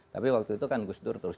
tapi waktu itu kan gus dur terus